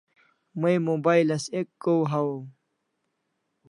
May mobile as ek kaw hawaw